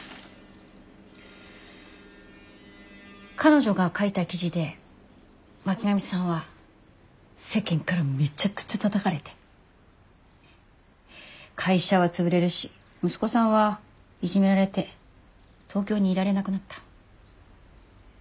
彼女が書いた記事で巻上さんは世間からめちゃくちゃたたかれて会社はつぶれるし息子さんはいじめられて東京にいられなくなった。